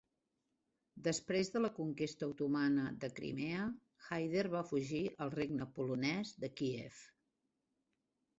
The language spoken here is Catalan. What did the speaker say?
Després de la conquesta otomana de Crimea, Hayder va fugir al Regne polonès de Kíev.